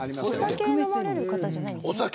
お酒飲まれる方じゃないですよね。